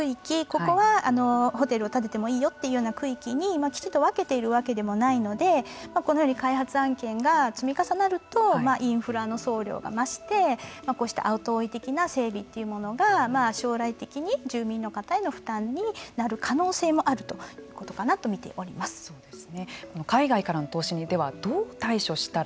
ここはホテルを建ててもいいよというような区域にきちんと分けているわけでもないのでこのように開発案件が積み重なるとインフラの総量が増してこうした後追い的な整備というのが将来的に住民の方への負担になる可能性もあるということかなとみております。